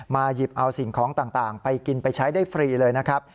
หยิบเอาสิ่งของต่างไปกินไปใช้ได้ฟรีเลยนะครับ